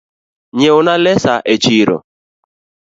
Nyieo na lesa e chiro